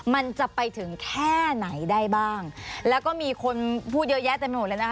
มันจะไปถึงแค่ไหนได้บ้างแล้วก็มีคนพูดเยอะแยะเต็มไปหมดเลยนะคะ